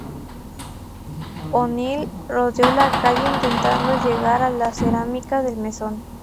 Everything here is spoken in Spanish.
O'Neal, rodeó la calle intentando llegar a las cercanías del mesón.